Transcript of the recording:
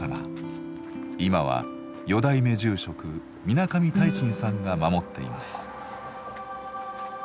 今は４代目住職皆上泰信さんが守っています。